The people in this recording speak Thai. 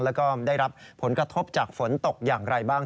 แล้วก็ได้รับผลกระทบจากฝนตกอย่างไรบ้าง